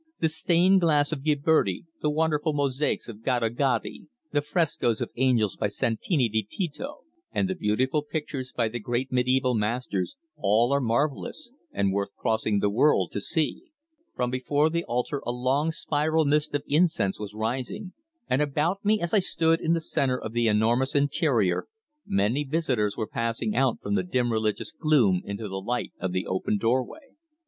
The stained glass of Ghiberti, the wonderful mosaics of Gaddo Gaddi, the frescoes of angels by Santi di Tito, and the beautiful pictures by the great mediæval masters, all are marvellous, and worth crossing the world to see. From before the altar a long spiral mist of incense was rising, and about me as I stood in the centre of the enormous interior, many visitors were passing out from the dim religious gloom into the light of the open doorway.